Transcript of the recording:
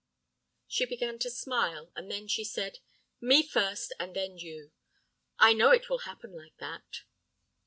"She began to smile, and then she said, 'Me first, and then you. I know it will happen like that.